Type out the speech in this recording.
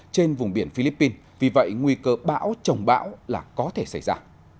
trên vùng biển philippines vì vậy nguy cơ bão trồng bão là có thể xảy ra